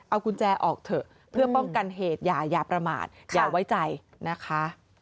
เอากุญแจออกเถอะเพื่อป้องกันเหตุอย่าประมาทอย่าไว้ใจนะคะ